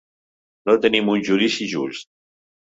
No tenim un judici just